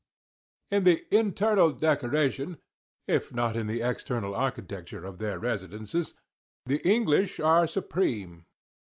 In the internal decoration, if not in the external architecture of their residences, the English are supreme.